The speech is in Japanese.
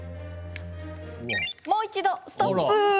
もう一度ストップ。